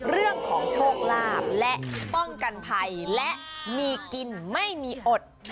เรื่องของโชคลาภและป้องกันภัยและมีกินไม่มีอด